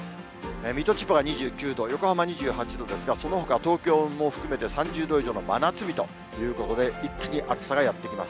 水戸、千葉が２９度、横浜２８度ですが、そのほかは東京も含めて３０度以上の真夏日ということで、一気に暑さがやってきます。